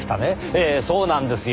ええそうなんですよ。